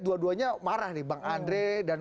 dua duanya marah nih bang andre dan